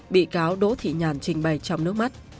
bị cáo đỗ thị nhàn trình bày trong nước mắt